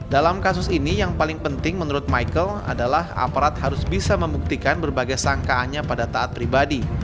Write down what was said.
dalam kasus ini yang paling penting menurut michael adalah aparat harus bisa membuktikan berbagai sangkaannya pada taat pribadi